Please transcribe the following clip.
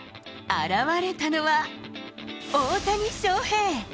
現れたのは大谷翔平。